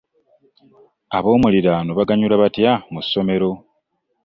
Ab'omuliraano baganyulwa batya mu ssomero?